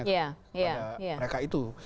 kepada mereka itu